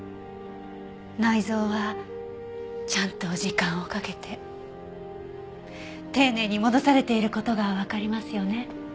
内臓はちゃんと時間をかけて丁寧に戻されている事がわかりますよね。